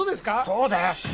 そうだよ